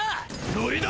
ノリだ！